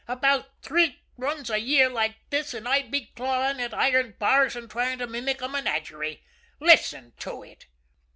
About three runs a year like this and I'd be clawing at iron bars and trying to mimic a menagerie. Listen to it!"